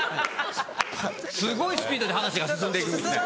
すごいスピードで話が進んで行くんですね。